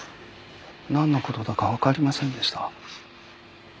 なんの事だかわかりませんでした。